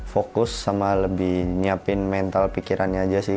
fokus sama lebih menyiapkan mental pikirannya saja sih